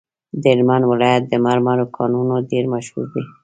د هلمند ولایت د مرمرو کانونه ډیر مشهور دي.